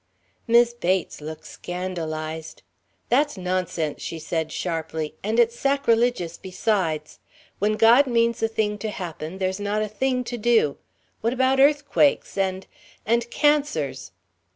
Mis' Bates looked scandalized. "That's nonsense," she said sharply, "and it's sacrilegious besides. When God means a thing to happen, there's not a thing to do. What about earthquakes and and cancers?"